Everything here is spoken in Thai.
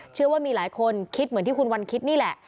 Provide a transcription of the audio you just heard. เชื่อว่ามีหลายคนคิดเหมือนที่คุณวันคิดนี่แหละ